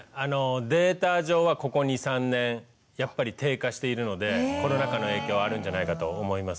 データ上はここ２３年やっぱり低下しているのでコロナ禍の影響はあるんじゃないかと思います。